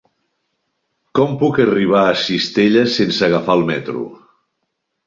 Com puc arribar a Cistella sense agafar el metro?